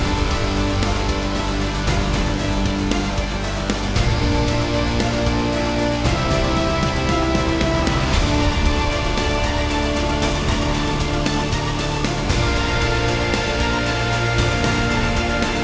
การทำรัฐธรรมนุษย์ในประชาชน